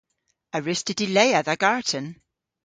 A wruss'ta dilea dha garten?